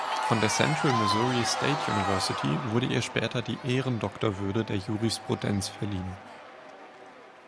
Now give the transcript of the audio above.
Von der "Central Missouri State University" wurde ihr später die Ehrendoktorwürde der Jurisprudenz verliehen.